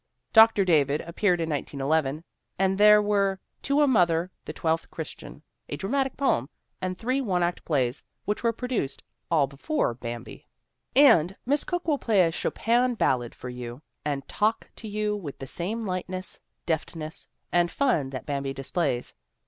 Dr. David appeared in 1911 ; and there were To a M other f The Twelfth Christian, a dramatic poem, and three one act plays which were produced all before Bambi. And Miss Cooke will play a Chopin ballade for you and talk to you with the same lightness, deftness, and fun that Bambi displays.